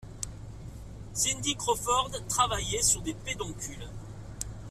Cindy Crawford travaillait sur des pédoncules.